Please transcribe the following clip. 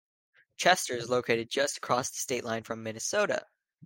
Chester is located just across the state line from Minnesota.